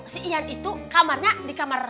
si ian itu kamarnya di kamar nomor berapa